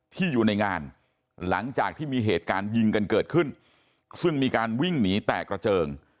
ครับจะเวิร์นขึ้นซึ่งมีการวิ่งหนีแตะกระเจิง